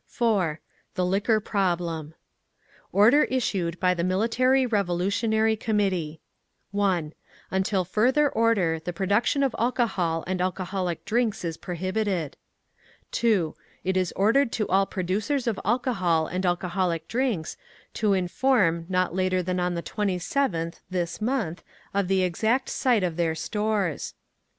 THE LIQUOR PROBLEM Order Issued by the Military Revolutonary Committee 1. Until further order the production of alcohol and alcoholic drinks is prohibited. 2. It is ordered to all producers of alcohol and alcoholic drinks to inform not later than on the 27th inst. of the exact site of their stores.